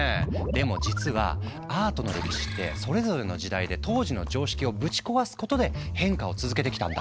でも実はアートの歴史ってそれぞれの時代で当時の常識をぶち壊すことで変化を続けてきたんだ。